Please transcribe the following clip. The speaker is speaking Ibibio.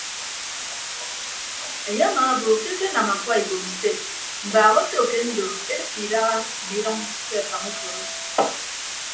Enye amaabo ke ekenam akwa ibom sted mbaak oto ke ndo edịppe idaha mme idʌñ ke afañ uforo.